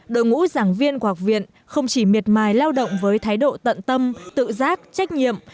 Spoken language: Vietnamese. đội ngũ giảng viên của học viện không chỉ miệt mài lao động với thái độ tận tâm tự giác trách nhiệm